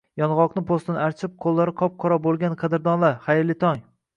Yong'oqni po'stini archib, qo'llari qop-qora bo'lgan qadrdonlar, xayrli tong!